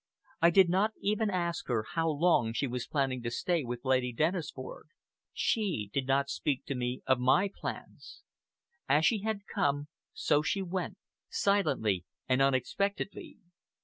I did not even ask her how long she was going to stay with Lady Dennisford; she did not speak to me of my plans. As she had come, so she went, silently and unexpectedly.